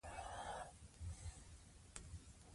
د هغې په اړه اختلاف پیدا سوی دی.